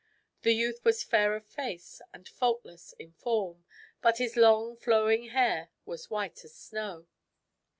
The youth was fair of face and faultless in form, but his long, flowing hair was white as snow.